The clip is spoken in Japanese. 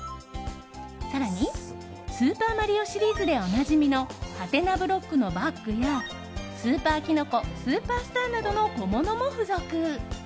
更に「スーパーマリオ」シリーズでおなじみのハテナブロックのバッグやスーパーキノコスーパースターなどの小物も付属。